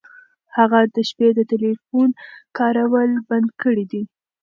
هغه د شپې د ټیلیفون کارول بند کړي دي.